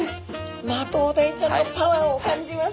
マトウダイちゃんのパワーを感じます。